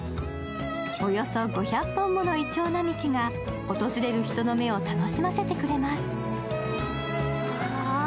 およそ５００本ものいちょう並木が訪れる人の目を楽しませてくれます。